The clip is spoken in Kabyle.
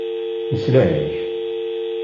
Nesla-ak.